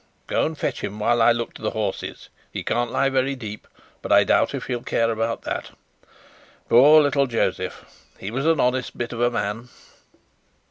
Go and fetch him, while I look to the horses. He can't lie very deep, but I doubt if he'll care about that. Poor little Josef! He was an honest bit of a man."